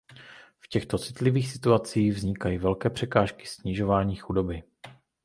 V těchto citlivých situacích vznikají velké překážky snižování chudoby.